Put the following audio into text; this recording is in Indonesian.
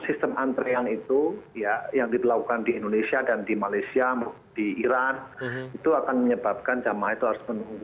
sistem antrean itu yang dilakukan di indonesia dan di malaysia di iran itu akan menyebabkan jamaah itu harus menunggu